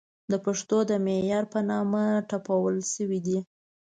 دا پښتو د معیار په نامه ټپل شوې ده.